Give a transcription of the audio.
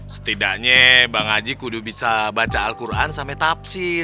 setidaknya bang haji kudu bisa baca alquran sampe tafsir